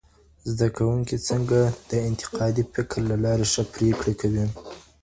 زده کوونکي څنګه د انتقادي فکر له لاري ښه پرېکړي کوي؟